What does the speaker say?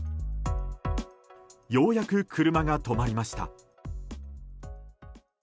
ようやく車が止まりました。